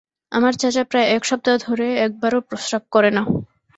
আমার চাচা প্রায় এক সপ্তাহ ধরে একবারও প্রস্রাব করে না।